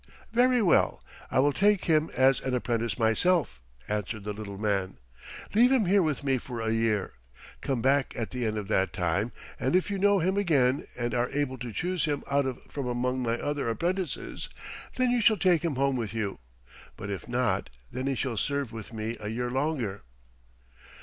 "Very well; I will take him as an apprentice myself," answered the little man. "Leave him here with me for a year. Come back at the end of that time, and if you know him again and are able to choose him out from among my other apprentices, then you shall take him home with you, but if not, then he shall serve with me a year longer."